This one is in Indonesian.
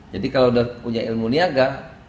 jadi kalau udah punya ilmu niaga